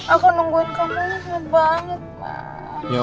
aku nungguin kamu enggak banget pak